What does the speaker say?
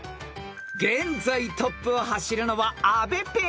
［現在トップを走るのは阿部ペア］